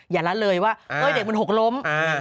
อย่าละเลยว่าเฮ้ยเด็กมันหกล้ม